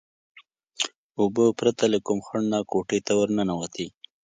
اوبه پرته له کوم خنډ نه کوټې ته ورننوتې.